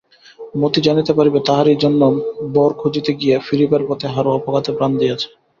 মতি জানিতে পরিবে তাহারই জন্য বর খুঁজিতে গিয়া ফিরিবার পথে হারু অপঘাতে প্রাণ দিয়াছে।